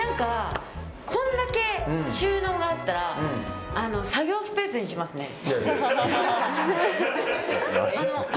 こんだけ収納があったら作業スペースにしますね。